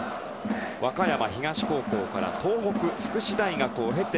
和歌山東高校から東北福祉大学を経て